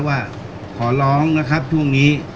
การสำรรค์ของเจ้าชอบใช่